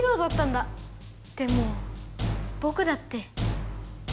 でもぼくだって。